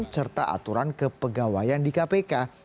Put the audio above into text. serta aturan kepegawaian di kpk